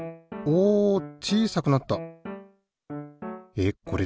えっこれ